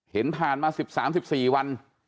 เห็นผ่านมาสิบสามสิบสี่วัน